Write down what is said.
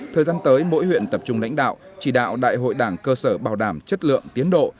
thời gian tới mỗi huyện tập trung lãnh đạo chỉ đạo đại hội đảng cơ sở bảo đảm chất lượng tiến độ